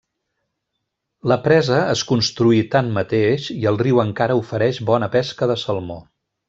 La presa es construí, tanmateix, i el riu encara ofereix bona pesca de salmó.